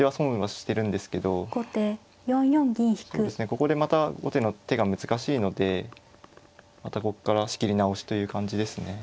ここでまた後手の手が難しいのでまたここから仕切り直しという感じですね。